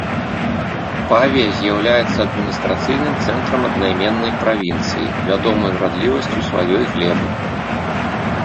Павія з'яўляецца адміністрацыйным цэнтрам аднайменнай правінцыі, вядомай урадлівасцю сваёй глебы.